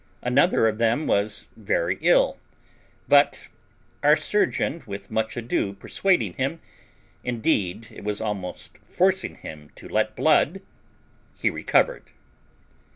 Another of them was very ill; but our surgeon with much ado persuading him, indeed it was almost forcing him to be let blood, he recovered.